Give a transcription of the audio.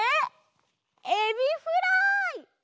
エビフライ！